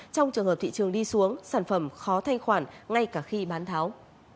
trong trường hợp thị trường đi xuống sản phẩm khó thanh khoản ngay cả khi bán tháo